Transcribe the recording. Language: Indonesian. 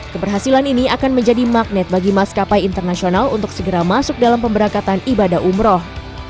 keberhasilan ini akan menjadi magnet bagi maskapai internasional untuk segera masuk dalam pemberangkatan ibadah umroh